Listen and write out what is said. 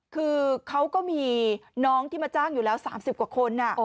คือเขาก็มีน้องที่มาจ้างอยู่แล้ว๓๐กว่าคน